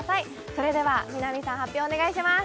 それでは南さん発表お願いします